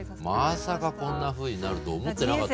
まさかこんなふうになると思ってなかったんで僕も。